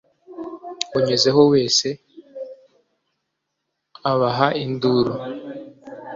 unyuzeho wese abaha induru